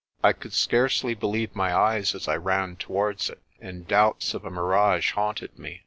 I could scarcely believe my eyes as I ran towards it, and doubts of a mirage haunted me.